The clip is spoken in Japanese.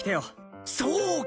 そうか！